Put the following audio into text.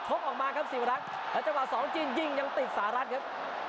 ออกมาครับศิวรักษ์แล้วจังหวะสองจีนยิงยังติดสหรัฐครับ